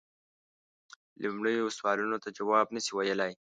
لومړنیو سوالونو ته جواب نه سي ویلای.